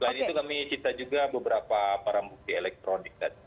selain itu kami cita juga beberapa barang bukti elektronik